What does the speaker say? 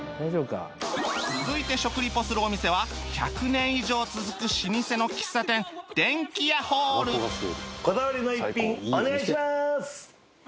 続いて食リポするお店は１００年以上続く老舗の喫茶店こだわりの一品お願いします！